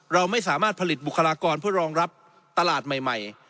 เราไม่สามารถผลิตบุคลากรเพื่อรองรับตลาดใหม่